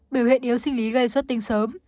biểu hiện yếu sinh lý gây xuất tinh sớm